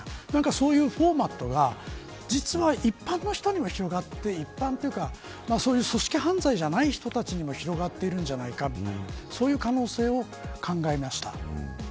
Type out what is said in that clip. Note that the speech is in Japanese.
そういうフォーマットが実は一般の人に広がって組織犯罪じゃない人たちにも広がっているんじゃないかそういう可能性を考えました。